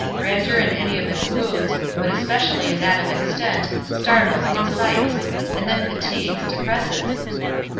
Grandeur in any of its moods, but especially in that of extent, startles, excites—and then fatigues, depresses.